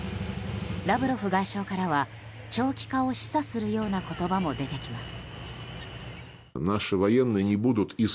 ラブロフ外相からは長期化を示唆するような言葉も出てきます。